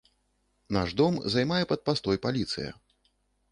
Наш дом займае пад пастой паліцыя.